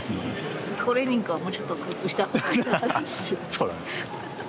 そうだね。